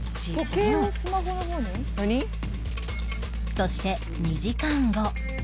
そして２時間後